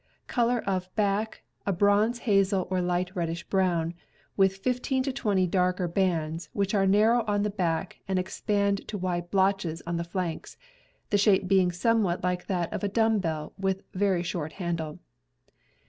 Color of back, a bronze hazel or light reddish brown; with 15 to 20 darker bands, which are narrow on the back and ex pand to wide blotches on the flanks, the shape being some what like that of a dumb bell with very short handle.